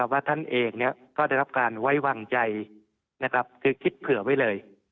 ว่าท่านเองก็ได้รับการไว้วางใจคือคิดเผื่อไว้เลย